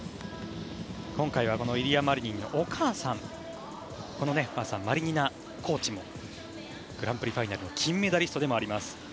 今回はイリア・マリニンのお母さんマリニナコーチもグランプリファイナルの金メダリストでもあります。